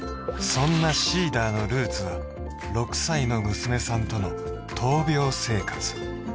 そんなＳｅｅｄｅｒのルーツは６歳の娘さんとの闘病生活